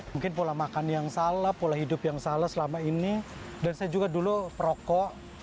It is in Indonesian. mungkin pola makan yang salah pola hidup yang salah selama ini dan saya juga dulu perokok